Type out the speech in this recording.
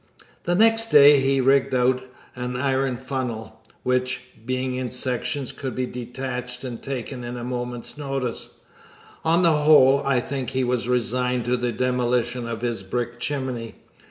The next day he rigged out an iron funnel, which, being in sections, could be detached and taken in at a moment's notice. On the whole, I think he was resigned to the demolition of his brick chimney.